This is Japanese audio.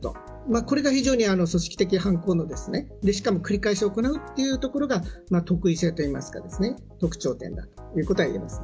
これが非常に組織的犯行のしかも繰り返し行うというところが特異性というか特徴ということが言えます。